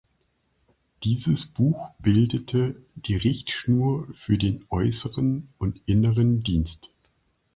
Dieses Buch bildete die Richtschnur für den äußeren und inneren Dienst.